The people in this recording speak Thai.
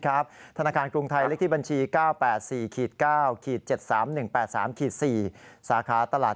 ธนาคารกรุงไทยเลขที่บัญชี๙๘๔๙๗๓๑๘๓๔สาขาตลาด